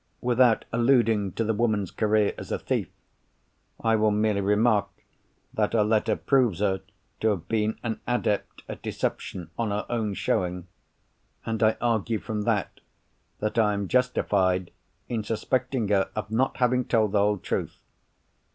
Without alluding to the woman's career as a thief, I will merely remark that her letter proves her to have been an adept at deception, on her own showing; and I argue from that, that I am justified in suspecting her of not having told the whole truth.